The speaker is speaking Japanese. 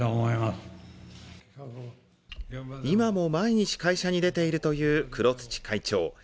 今も毎日会社に出ているという黒土会長。